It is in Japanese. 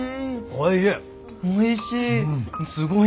おいしい。